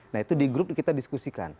nah itu di grup kita diskusikan